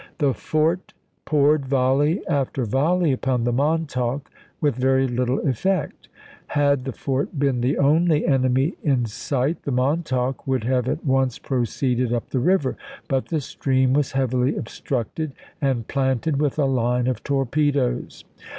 The fort poured volley after volley upon the Montauk with very little effect. Had tho fort been the only enemy in sight the Montauk would have at once proceeded up the river ; but the stream was heavily obstructed and planted with a line of torpedoes.